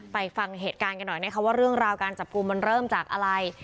ฟังเหตุการณ์กันหน่อยนะคะว่าเรื่องราวการจับกลุ่มมันเริ่มจากอะไร